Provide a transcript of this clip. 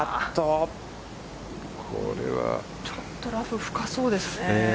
ちょっとラフ深そうですね。